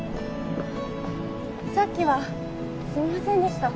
さっきはすみませんでした